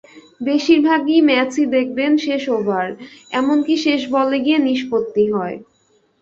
বেশির ভাগই ম্যাচই দেখবেন শেষ ওভার, এমনকি শেষ বলে গিয়ে নিষ্পত্তি হয়।